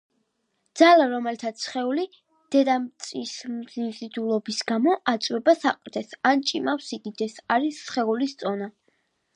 ძალა რომელთაც სხეული დედამჯწისმიზიდულობის გამო აწვება საყრდენს ან ჭიმავს სიდიდეს არის სხეულის წონა.